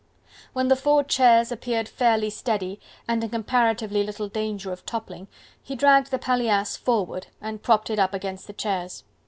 When the four chairs appeared fairly steady, and in comparatively little danger of toppling, he dragged the paillasse forward and propped it up against the chairs.